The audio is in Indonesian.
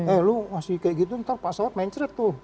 eh lu masih kayak gitu ntar pasawat mencret tuh